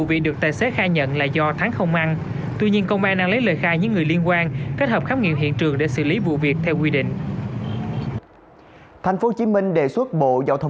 quản lý taxi công nghệ như thế nào